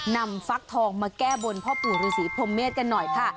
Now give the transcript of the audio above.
ฟักทองมาแก้บนพ่อปู่ฤษีพรมเมษกันหน่อยค่ะ